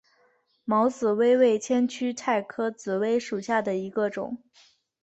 毛紫薇为千屈菜科紫薇属下的一个种。